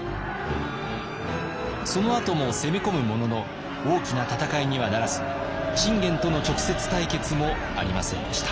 そのあとも攻め込むものの大きな戦いにはならず信玄との直接対決もありませんでした。